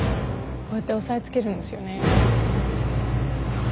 こうやって押さえつけるんですよね。